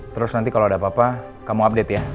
terus nanti kalau ada apa apa kamu update ya